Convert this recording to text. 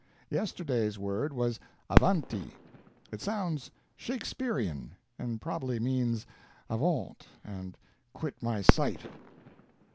Yesterday's word was avanti. It sounds Shakespearian, and probably means Avaunt and quit my sight.